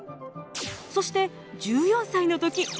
そして１４歳の時。